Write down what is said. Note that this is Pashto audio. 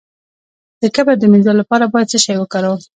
د کبر د مینځلو لپاره باید څه شی وکاروم؟